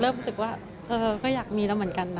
เริ่มรู้สึกว่าก็อยากมีแล้วเหมือนกันนะ